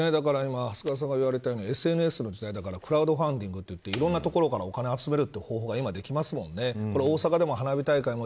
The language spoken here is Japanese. だから今、長谷川さん言われたようにＳＮＳの時代だからクラウドファンディングでいろいろなところからお金を集める方ができますもんね。